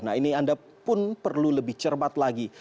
nah ini anda pun perlu lebih cermat lagi